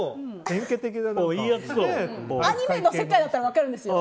アニメの世界だったら分かるんですよ。